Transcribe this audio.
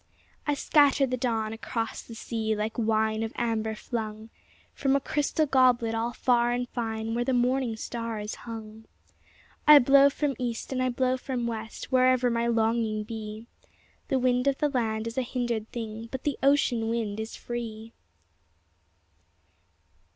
I scatter the dawn across the sea Like wine of amber flung From a crystal goblet all far and fine Where the morning star is hung; I blow from east and I blow from west Wherever my longing be ŌĆö The wind of the land is a hindered thing But the ocean wind is free